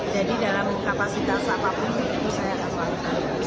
jadi dalam kapasitas apapun ibu saya akan melakukan